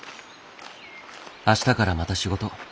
「明日からまた仕事」。